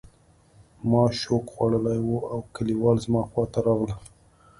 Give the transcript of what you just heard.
ما شوک خوړلی و او کلیوال زما خواته راغلل